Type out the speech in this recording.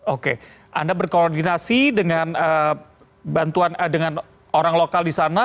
oke anda berkoordinasi dengan orang lokal di sana